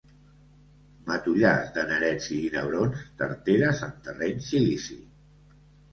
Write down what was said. Matollars de nerets i ginebrons, tarteres en terreny silici.